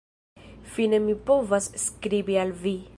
Fine mi povas skribi al vi.